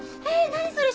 何それ？